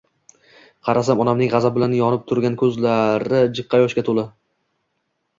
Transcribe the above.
Qarasam onamning g`azab bilan yonib turgan ko`zlari jiqqa yoshga to`la